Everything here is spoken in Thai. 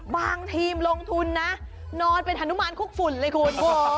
บางทีมลงทุนนะนอนเป็นฮนุมานคุกฝุ่นเลยคุณ